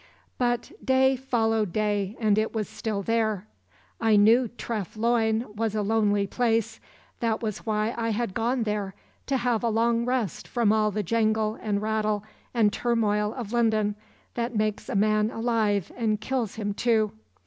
"But day followed day and it was still there. I knew Treff Loyne was a lonely place—that was why I had gone there, to have a long rest from all the jangle and rattle and turmoil of London, that makes a man alive and kills him too.